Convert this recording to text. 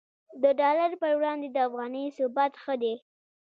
د ډالر پر وړاندې د افغانۍ ثبات ښه دی